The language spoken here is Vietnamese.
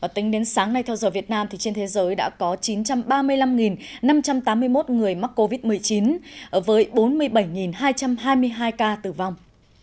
tính đến sáng nay theo giờ việt nam trên thế giới đã có chín trăm ba mươi năm năm trăm tám mươi một người mắc covid một mươi chín với bốn mươi bảy hai trăm hai mươi hai ca tử vong